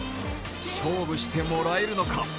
勝負してもらえるのか。